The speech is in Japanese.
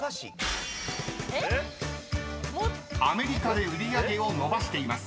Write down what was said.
［アメリカで売り上げを伸ばしています］